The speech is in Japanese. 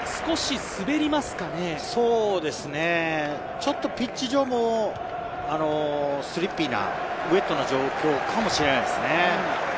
ちょっとピッチ上もスリッピーな、ウエットな状況かもしれないですね。